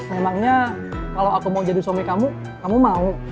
memangnya kalau aku mau jadi suami kamu kamu mau